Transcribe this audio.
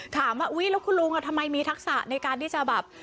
ถามว่าอุ๊ยแล้วคุณลุงทำไมมีทักษะในการที่จะแบบ